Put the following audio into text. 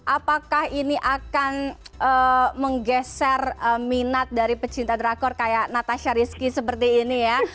apakah ini akan menggeser minat dari pecinta drakor kayak natasha rizky seperti ini ya